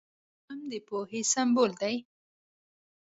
قلم د پوهې سمبول دی